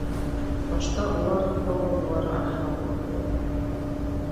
Башта улар промыслалар араһынан үтте.